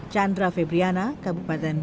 chandra febriana kabupaten bandung